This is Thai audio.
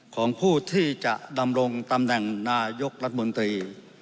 ของผู้ที่จะดำรงตำแหน่งนายกรัฐมนตรี